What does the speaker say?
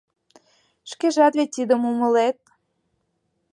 Шкежат вет тидым умылет.